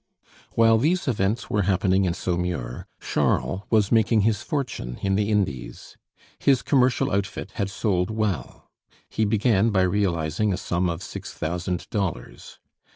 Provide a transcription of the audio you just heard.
XIII While these events were happening in Saumur, Charles was making his fortune in the Indies. His commercial outfit had sold well. He began by realizing a sum of six thousand dollars.